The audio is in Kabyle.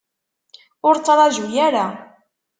Ur ttṛaju ara.